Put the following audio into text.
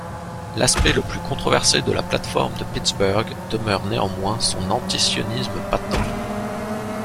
L’aspect le plus controversé de la plate-forme de Pittsburgh demeure néanmoins son anti-sionisme patent.